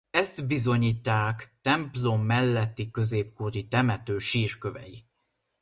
Ezt bizonyítják templom melletti középkori temető sírkövei.